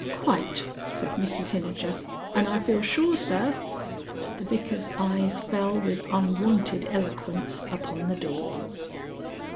"Quite," said Mrs Hinijer. "And I feel sure, sir...." The Vicar's eyes fell with unwonted eloquence upon the door.